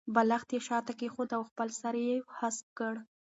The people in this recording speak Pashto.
بالښت یې شاته کېښود او خپل سر یې هسک کړ.